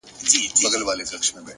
صبر د وخت له فشار سره همغږی دی!